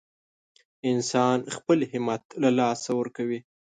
انسان خپل همت له لاسه ورکوي.